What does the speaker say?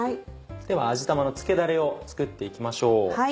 では味玉の漬けだれを作って行きましょう。